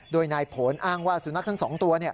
โดยนายผลอ้างว่าสุนัขทั้ง๒ตัว